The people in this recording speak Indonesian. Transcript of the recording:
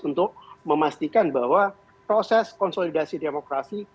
untuk memastikan bahwa proses konsolidasi demokrasi